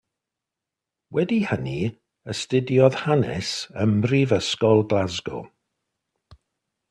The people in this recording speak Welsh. Wedi hynny astudiodd Hanes ym Mhrifysgol Glasgow.